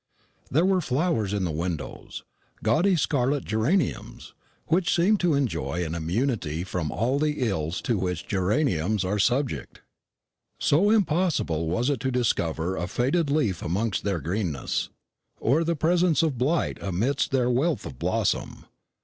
There were flowers in the windows; gaudy scarlet geraniums, which seemed to enjoy an immunity from all the ills to which geraniums are subject, so impossible was it to discover a faded leaf amongst their greenness, or the presence of blight amidst their wealth of blossom.